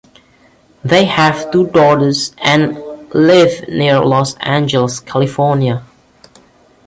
They have two daughters and live near Los Angeles, California.